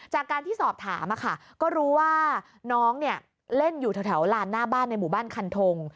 จากการที่สอบถามก็รู้ว่าน้องเนี่ยเล่นอยู่แถวลานหน้าบ้านในหมู่บ้านคันทง